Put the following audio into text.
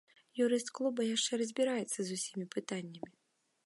Юрыст клуба яшчэ разбіраецца з усімі пытаннямі.